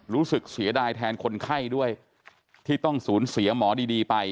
รู้สึกเสียดายแทนคนไข้ด้วยที่ต้องสูญเสียหมอดีไป